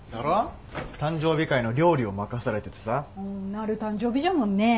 なる誕生日じゃもんね。